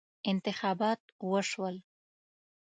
انتخابات وشول.